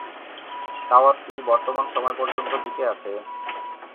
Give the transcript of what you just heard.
টাওয়ারটি বর্তমান সময় পর্যন্ত টিকে আছে।